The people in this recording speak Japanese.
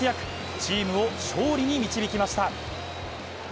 チームを勝利に導きました。